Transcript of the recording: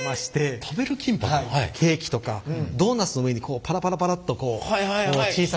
ケーキとかドーナツの上にパラパラパラっと小さく粒状で。